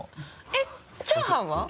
えっチャーハンは？